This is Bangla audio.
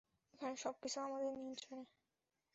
এখানে সবকিছু আমাদের নিয়ন্ত্রণে!